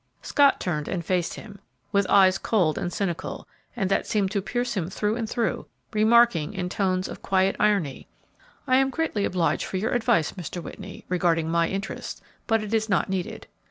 Scott turned and faced him, with eyes cold and cynical and that seemed to pierce him through and through, remarking, in tones of quiet irony, "I am greatly obliged for your advice, Mr. Whitney, regarding my interests, but it is not needed.